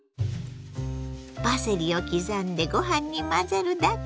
パセリを刻んでご飯に混ぜるだけ！